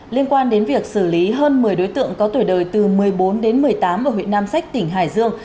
liên quan đến việc xử lý hơn một mươi đối tượng có tuổi đời từ một mươi bốn đến một mươi tám ở huyện nam sách tỉnh hải dương